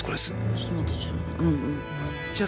ちょっと待ってちょっと待って。